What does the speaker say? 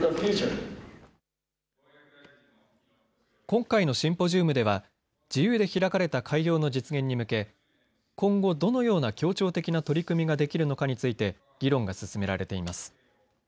今回のシンポジウムでは自由で開かれた海洋の実現に向け今後、どのような協調的な取り組みができるのかについて議論が進められています。